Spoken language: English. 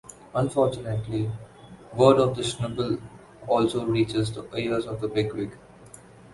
Unfortunately, word of the Schnibble also reaches the ears of the BigWig.